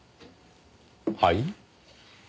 はい？